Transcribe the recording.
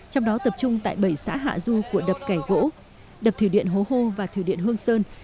trong đó tập trung tại bảy xã hạ du của đập cải vỗ đập thủy điện hố hô và thủy điện hương sơn